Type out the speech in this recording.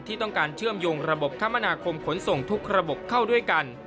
ที่ต้องการเชื่อมโยงระบบคมนาคมขนส่งทุกระบบเข้าด้วยกัน